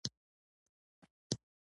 هغه نوښتونه ډېر وروسته افریقا ته ورسېدل.